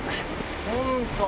本当！